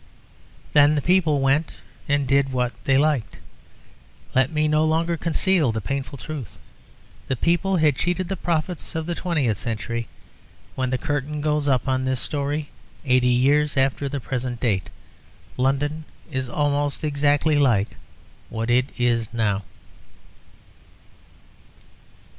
Then the people went and did what they liked. Let me no longer conceal the painful truth. The people had cheated the prophets of the twentieth century. When the curtain goes up on this story, eighty years after the present date, London is almost exactly like what it is now.